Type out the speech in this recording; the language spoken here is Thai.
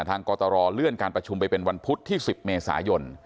กตรเลื่อนการประชุมไปเป็นวันพุธที่๑๐เมษายน